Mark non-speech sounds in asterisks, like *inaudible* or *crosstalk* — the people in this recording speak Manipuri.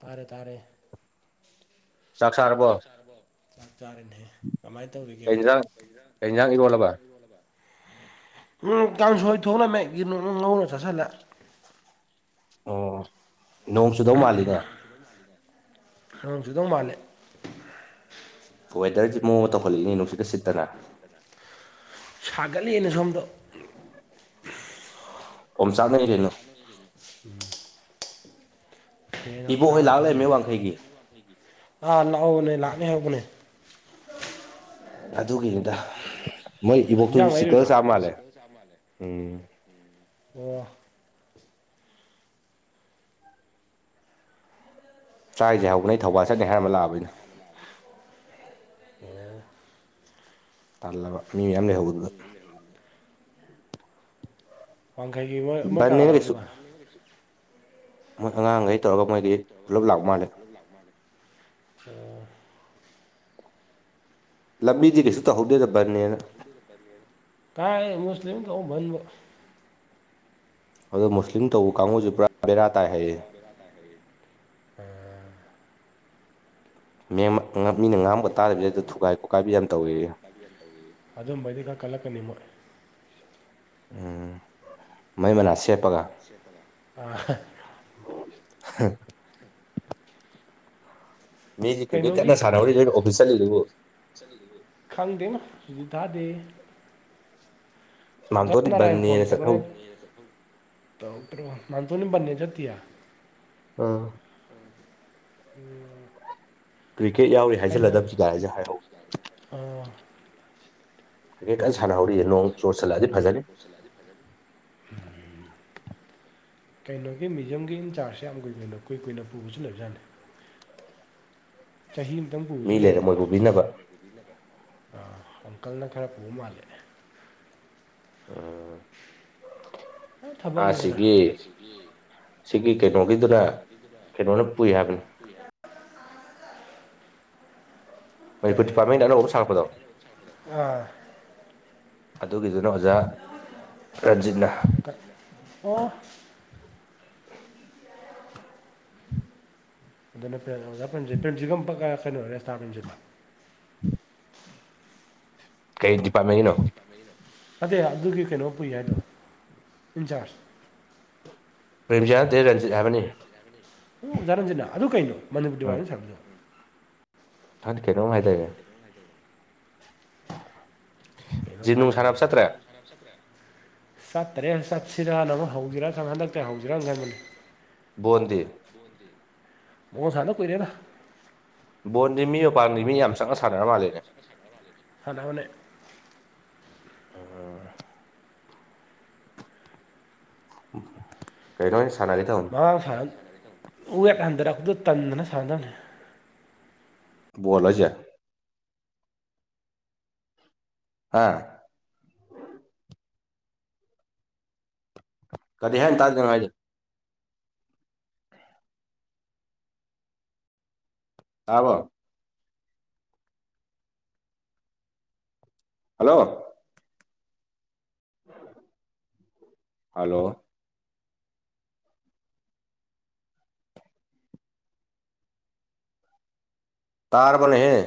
ꯇꯥꯔꯦ ꯇꯥꯔꯦ ꯆꯥꯛ ꯆꯥꯔꯕꫭ ꯆꯥꯛ ꯆꯥꯔꯅꯦꯍ ꯀꯃꯥꯏꯅ ꯇꯧꯔꯤꯒꯦ ꯀꯩ ꯌꯦꯟꯖꯥꯡ ꯀꯩ ꯌꯦꯟꯖꯥꯡ ꯏꯔꯣꯜꯂꯕ ꯎꯝ ꯀꯥꯡꯁꯣꯏ ꯊꯣꯛꯂꯝꯃꯦ ꯌꯦꯅꯣꯞ ꯑꯃꯥ ꯉꯧꯔꯒ ꯆꯥꯁꯤꯜꯂꯦ ꯑꯣ ꯅꯣꯡ ꯆꯨꯗꯧ ꯃꯥꯜꯂꯤꯅꯦ ꯅꯣꯡ ꯆꯨꯗꯧ ꯃꯥꯜꯂꯦ ꯋꯦꯗꯔꯁꯤ ꯃꯑꯣꯡ ꯑꯃ ꯇꯧꯈꯠꯂꯛꯏꯅꯤ ꯅꯨꯡꯁꯤꯠꯀ ꯁꯤꯠꯇꯅ ꯁꯥꯒꯠꯂꯤꯅ ꯁꯣꯝꯗꯣ ꯑꯣꯝ ꯆꯥꯛ ꯅꯔꯛꯏꯗꯥ ꯝ *unintelligible* ꯏꯕꯣꯍꯣꯏ ꯂꯥꯛ ꯂꯩꯃꯤ ꯐꯝꯗꯣꯏꯅꯤ ꯋꯥꯡꯈꯩꯒꯤ ꯑꯥ ꯂꯥꯛꯍꯧꯕꯅꯦ ꯂꯥꯛꯅꯤ ꯍꯧꯕꯅꯦ ꯑꯗꯨꯒꯤꯅꯤꯗ ꯃꯣꯏ ꯏꯕꯣꯛꯇꯨꯖꯨ ꯏꯟꯖꯥꯡ ꯆꯤꯛꯀꯜ ꯂꯩꯔꯨꯏꯔꯥ ꯆꯥ ꯃꯥꯜꯂꯦ ꯎꯝ ꯑꯣ ꯇꯔꯥꯏꯖꯥꯎ ꯑꫭ ꯇꯜꯂꯕ ꯃꯤ ꯃꯌꯥꯝ ꯂꯩꯍꯧꯕ *unintelligible* ꯋꯥꯡꯈꯩꯒꯤ ꯃꯣꯏ ꯃꯣꯏ ꯀꯅꯥ ꯀꯅꯥ ꯕꯟꯅꯦꯅ ꯀꯩꯁꯨ ꯂꯩꯍꯧꯔꯤꯕ ꯃꯣꯏ ꯑꯉꯥꯡꯒꯩ ꯇꯧꯔꯒ ꯃꯣꯏꯗꯤ ꯄꯨꯂꯞ ꯂꯥꯛ ꯃꯥꯜꯂꯦ ꯑꯗꯨ ꯂꯥꯛ ꯃꯥꯅꯦ ꯑꫭ ꯂꯝꯕꯤꯗꯤ ꯀꯩꯁꯨ ꯇꯧꯍꯧꯗꯦꯗꯕꯅꯦꯅ *unintelligible* ꯀꯥꯏ ꯃꯁꯂꯤꯝ ꯀꯧꯕ ꯕꯟꯕꯨ ꯑꯗꯨ ꯃꯁꯂꯤ *unintelligible* ꯃꯦꯝ ꯃꯤꯅ ꯉꯥꯡꯕ ꯇꯥꯔꯤꯕꯗꯩꯗ ꯊꯨꯒꯥꯏ ꯈꯣꯠꯀꯥꯏꯕ ꯌꯥꯝ ꯇꯧꯋꯤꯌ‌ꯦ ꯑꯗꯨ ꯕꯩꯗꯤ ꯈꯔ ꯀꯟꯂꯛꯀꯅꯤ ꯃꫭꯏ ꯎꯝ ꯃꯩ ꯃꯅꯥꯁꯤ *unintelligible* ꯍ ꯃꯤꯗꯤ ꯀꯤꯀ‌ꯦꯠ ꯀꯟꯅ ꯁꯥꯟꯅꯧꯔꯤ ꯑꯣꯐꯤꯁ ꯆꯠꯂꯤꯗꯨꯕꯨ ꯈꯪꯗꯅ ꯁꯨꯇꯤ ꯊꯥꯗ‌ꯦꯌ‌ꯦ ꯑꯣꯖꯥ ꯃꯥꯝꯇꯣꯟꯗꯤ ꯅꯔꯥꯌꯟ ꯐꯟ ꯕꯟꯅꯦꯅ ꯆꯠꯍꯧ ꯇꯧꯔꯛꯀꯅ‌ꯦ ꯅꯥꯟꯊꫭꯏ ꯕꯟꯅ‌ꯦ ꯆꯠꯇ‌ꯦ ꯑꯥ *inaudible* ꯀ꯭ꯔꯤꯀꯦꯠ ꯌꯥꯎꯔꯤ ꯍꯥꯏꯖꯜꯂꯗꯕꯤꯒꯥꯏ ꯍꯥꯏꯁꯦ ꯍꯥꯏꯛ ꯑꯣ ꯍꯥꯏꯒꯦ ꯀꯟꯅ ꯁꯥꯟꯅꯍꯧꯔꯤꯑ ꯅꯣꯡ ꯆꯣꯔꯠ ꯆꯜꯂꯛꯑꯗꯤ ꯐꯖꯅꯤ *inaudible* ꯀꯩꯅꯣꯒꯤ ꯃ꯭ꯌꯨꯖꯌꯝꯒꯤ ꯏꯟꯆꯥꯔꯖꯁꯦ ꯌꯥꯝ ꯀꯨꯏꯨ ꯀꯨꯏ ꯀꯨꯏꯅ ꯄꯨꯕꯁꯨ ꯂꯩꯕꯖꯥꯠꯅꯤ ꯆꯍꯤ ꯑꯃꯇꯪ ꯄꯨꯕꯁꯨ ꯃꯤ ꯂꯩꯔꯦ ꯂꯩꯕꯀꯣ ꯃꯣꯏ ꯄꯨꯕꯤꯅꯕ ꯑꯥ ꯑꯪꯀꯜꯅ ꯈꯔ ꯄꯨꯕ ꯃꯥꯜꯂꯦ ꯎꯝ ꯊꯕꯛꯅꯤꯗꯅ ꯁꯤꯒꯤ ꯀꯩꯅꯣꯒꯤꯗꯨꯅ ꯀꯩꯅꯣꯅ ꯄꯨꯏ ꯍꯥꯏꯕꯅꯤ ꯃꯅꯤꯄꯨꯔ ꯀꯩ ꯗꯤꯄꯥꯔꯠꯃꯦꯟꯗ ꯑꯅꯧꯕ ꯁꯥꯡꯉꯛꯄꯗꯣ ꯑꯥ ꯑꯗꯨꯒꯤꯗꯨꯅ ꯑꯣꯖꯥ ꯔꯟꯖꯤꯠꯅ ꯑꯣ ꯑꯗꯨꯅ ꯄꯦꯟ ꯑꯣꯖꯥ ꯄꯁꯦ ꯄꯦꯟꯁꯤꯒ ꯀꯩꯅꯣ ꯔꯦꯁꯇꯥ ꯔꯦꯟꯖꯤꯠꯂꫭ ꯀꯩꯗꯤꯄꯥꯔꯃꯦꯟ ꯑꯗꯩ ꯑꯗꯨꯒꯤ ꯀꯩꯅꯣ ꯄꯨꯏ ꯍꯥꯏꯗꯣ ꯏꯟꯆꯥꯥꯔꯖ ꯄ꯭ꯔꯦꯝꯖꯤꯌꯥ ꯅꯠꯇꯦ ꯔꯟꯖꯤꯠ ꯍꯥꯏꯕꯅꯤ ꯎ ꯙꯔꯟꯖꯅꯥ ꯑꯗꯨ ꯀꯩꯅꯣ ꯃꯅꯤꯕꯥ *unintelligible* ꯁꯖꯣ ꯗꯠ ꯀꯩꯅꯣꯝ ꯍꯥꯏꯗꯥꯏꯅ‌ꯦ ꯀꯩꯅꯣꯝ ꯖꯤꯝ ꯅꯨꯡ ꯁꯥꯟꯅꯕ ꯍꯥꯏꯗꯥꯏꯅ‌ꯦ ꯆꯠꯇ꯭ꯔꯦ ꯆꯠꯇꯔꯦ ꯆꯠꯁꯤꯔꯥꯥꯟꯅ ꯑꯃꯨꯛ ꯍꯧꯖꯤꯔꯥ ꯈꯪ ꯍꯟꯗꯛꯇꯤꯦ ꯍꯧꯖꯤꯁꯤꯔꯥꯅ ꯈꯟꯕꯅꯤ ꯕꫭꯟꯗꯤ ꯃꫭꯟ ꯁꯥꯟꯅ ꯀꯣꯏꯔꯦꯅ ꯕꯣꯟꯗꯤ ꯃꯤ ꯃꯄꯥꯟꯗꯤ ꯃꯤ ꯌꯥꯝ ꯆꯪꯅ ꯁꯥꯟꯅꯔ ꯃꯥꯜꯂꯦꯅꯦ ꯁꯥꯅꯕꯅꯦ ꯑ ꯀꯩꯅꯩꯅꯣꯅꯦ ꯁꯥꯟꯅ ꯊꯝ ꯃꯥꯥꯡ ꯎꯋꯦꯛ ꯍꯟꯊꯔꯛꯄꯗꯨ ꯇꯟꯗꯅ ꯁꯥꯟꯅꯅꯗꯕꯅꯦ ꯕꫭꯜꯂ ꯍꯥꯏꯁꯦ ꯑꯥ ꯀꯔꯤ ꯍꯥꯏ ꯇꯥꯗ‌ꯦ ꯅꯪ ꯍꯥꯏꯖꯦ ꯇꯥꯕꯣ ꯍꯜꯂꯣ ꯍꯜꯂꯣ ꯇꯥꯔꯕꯅꯦꯍꯦ